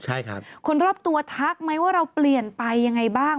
ใช่ครับคนรอบตัวทักไหมว่าเราเปลี่ยนไปยังไงบ้าง